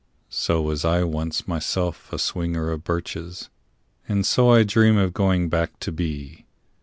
So was I once myself a swinger of birches. And so I dream of going back to be.